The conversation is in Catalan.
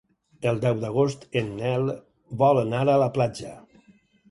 El deu d'agost en Nel vol anar a la platja.